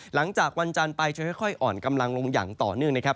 หลังจากวันจันทร์ไปจะค่อยอ่อนกำลังลงอย่างต่อเนื่องนะครับ